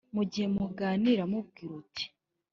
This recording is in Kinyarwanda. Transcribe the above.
mugihe muganira, mubwire uti: